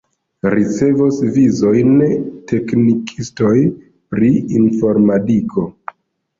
Ricevos vizojn teknikistoj pri informadiko.